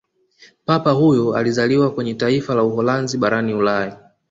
papa huyo alizaliwa kwenye taifa la Uholanzi barani ulaya